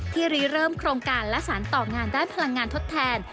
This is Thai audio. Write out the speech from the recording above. รีเริ่มโครงการและสารต่องานด้านพลังงานทดแทน